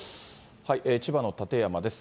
千葉の館山です。